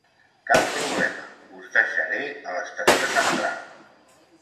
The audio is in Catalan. Cap problema, us deixaré a l'estació central.